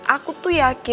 aku tuh yakin pasti